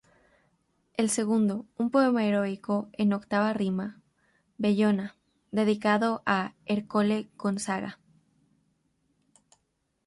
El segundo, un poema heroico en "octava rima": "Bellona", dedicado a Ercole Gonzaga.